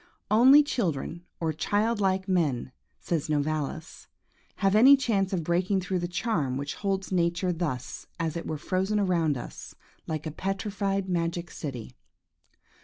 "Only children, or child like men," says Novalis, "have any chance of breaking through the charm which holds nature thus as it were frozen around us, like a petrified magic city."